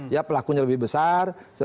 ya pelakunya lebih besar